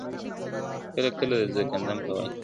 کله کله د ځنکدن په وخت کي !.